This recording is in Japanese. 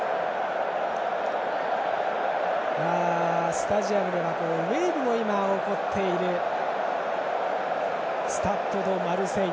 スタジアムでは今、ウエーブも起こっているスタッド・ド・マルセイユ。